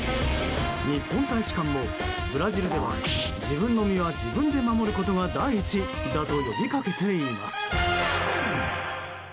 日本大使館も、ブラジルでは自分の身は自分で守ることが第一だと呼びかけています。